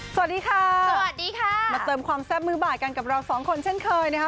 สวัสดีค่ะสวัสดีค่ะมาเติมความแซ่บมือบ่ายกันกับเราสองคนเช่นเคยนะคะ